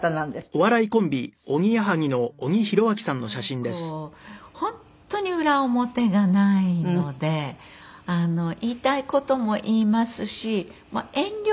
なんかこう本当に裏表がないので言いたい事も言いますし遠慮もしないですね。